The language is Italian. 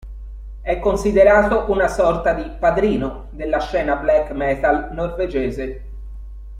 È considerato una sorta di "padrino" della scena black metal norvegese.